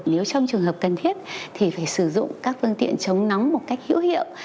nếu trong trường hợp cần thiết thì phải sử dụng các phương tiện chống nóng một cách hữu hiệu